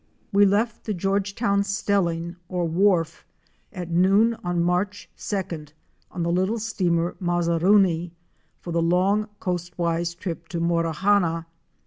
We left the Georgetown stelling, or wharf, at noon on March 2d, on the little steamer '' Mazaruni"' for the long coastwise trip to Morawhanna.